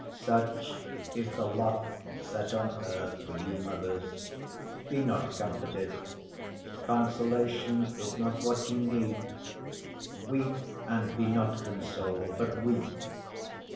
Such is the lot set on earth for you mothers. Be not comforted. Consolation is not what you need. Weep and be not consoled, but weep.